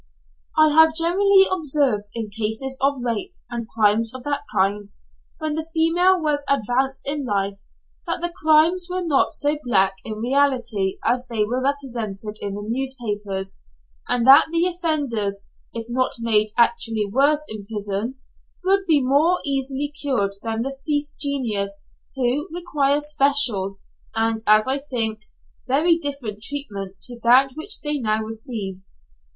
I have generally observed in cases of rape, and crimes of that kind, when the female was advanced in life, that the crimes were not so black in reality as they were represented in the newspapers, and that the offenders, if not made actually worse in prison, would be much more easily cured than the thief genus, who require special, and as I think, very different treatment to that which they now receive.